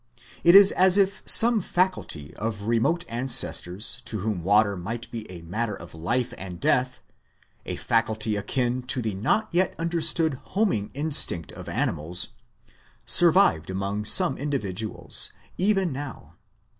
It is as if some faculty of remote ancestors to whom water might be a matter of life and death a faculty akin to the not yet understood homing instinct of animals survived among some individuals, even now.